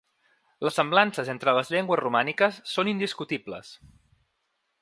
Les semblances entre les llengües romàniques són indiscutibles.